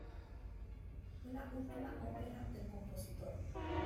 Fue la última ópera del compositor.